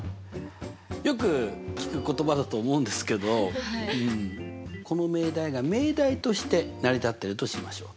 よく聞く言葉だと思うんですけどこの命題が命題として成り立ってるとしましょう。